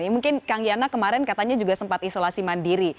mungkin kang yana kemarin katanya juga sempat isolasi mandiri